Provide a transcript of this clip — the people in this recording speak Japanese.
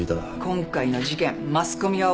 今回の事件マスコミは大騒ぎよ。